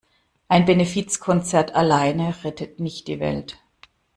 Ein Benefizkonzert alleine rettet nicht die Welt.